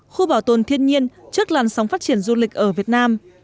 khu bảo tồn thiên nhiên trước làn sóng phát triển du lịch ở việt nam